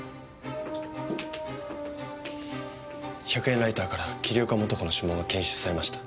１００円ライターから桐岡素子の指紋が検出されました。